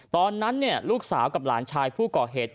ตอนนั้นลูกสาวกับหลานชายผู้ก่อเหตุ